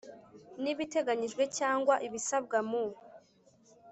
n ibiteganyijwe cyangwa ibisabwa mu